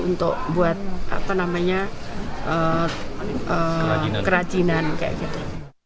untuk buat apa namanya kerajinan kayak gitu